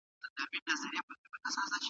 ایا مسلکي بڼوال جلغوزي پلوري؟